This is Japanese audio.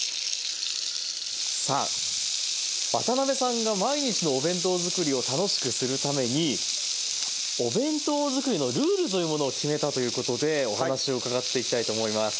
さあ渡辺さんが毎日のお弁当作りを楽しくするためにお弁当作りのルールというものを決めたということでお話を伺っていきたいと思います。